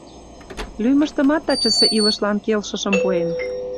— Лӱмыштымат тачысе илышлан келшышым пуэн!